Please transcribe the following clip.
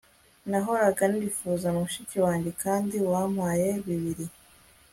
nahoraga nifuza mushiki wanjye, kandi wampaye bibiri